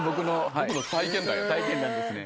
僕の体験談ですね。